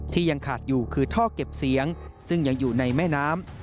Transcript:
ยังขาดอยู่คือท่อเก็บเสียงซึ่งยังอยู่ในแม่น้ำ